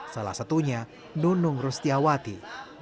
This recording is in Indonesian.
salah satunya nunung rustiawati